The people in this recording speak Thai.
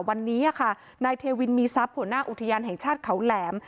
วันนี้ค่ะนายเทวินมีทรัพย์หัวหน้าอุทยานแห่งชาติเขาแหลม